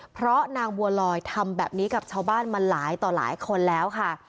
เพราะนางบัวลอยทำแบบนี้กับชาวบ้านมาหลายต่อหลายคนแล้วค่ะ